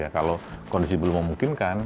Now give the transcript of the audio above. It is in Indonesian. kalau kondisi belum memungkinkan